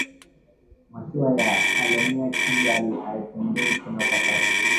Mashuwa ya kalemie kindu aitembei tena kwa sasa